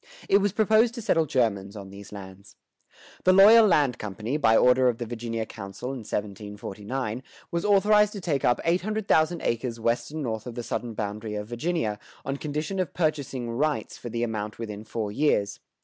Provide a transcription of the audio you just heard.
It was proposed to settle Germans on these lands. The Loyal Land Company, by order of the Virginia council (1749), was authorized to take up eight hundred thousand acres west and north of the southern boundary of Virginia, on condition of purchasing "rights" for the amount within four years.